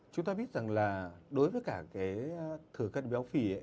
chúng ta biết rằng là đối với cả cái thừa cân béo phì ấy